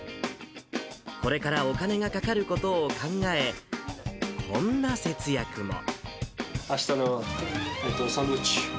これからお金がかかることを考え、こんな節約も。